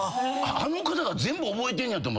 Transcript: あの方が全部覚えてるんやと。